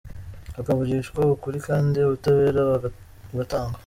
hakavugishwa ukuri kandi ubutabera bugatangwa